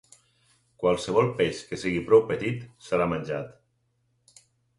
Qualsevol peix que sigui prou petit serà menjat.